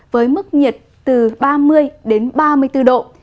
với mức nhiệt từ ba mươi đến ba mươi bốn độ